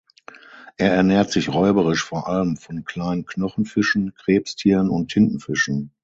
Er ernährt sich räuberisch vor allem von kleinen Knochenfischen, Krebstieren und Tintenfischen.